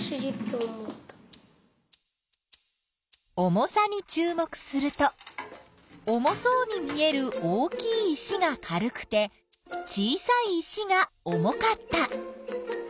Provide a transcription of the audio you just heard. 重さにちゅう目すると重そうに見える大きい石が軽くて小さい石が重かった。